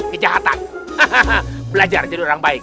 nanti kejadiannya beda boyan gue yang bukan ngomong